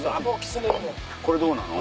これどうなの？